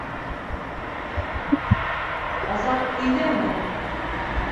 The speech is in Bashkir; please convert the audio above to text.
— Азат өйҙәме?